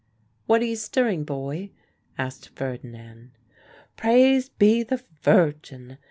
"What are you stirring, boy?" asked Ferdinand. "Praised be the Virgin!"